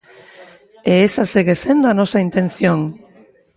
E esa segue sendo a nosa intención.